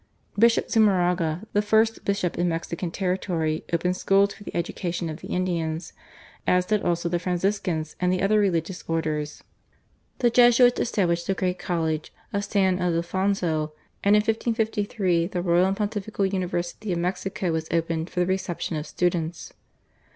Bishop Zumarraga, the first bishop in Mexican territory, opened schools for the education of the Indians, as did also the Franciscans and the other religious orders. The Jesuits established the great college of San Ildefonso, and in 1553 the royal and pontifical University of Mexico was opened for the reception of students.